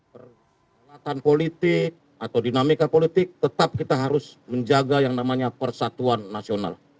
perhelatan politik atau dinamika politik tetap kita harus menjaga yang namanya persatuan nasional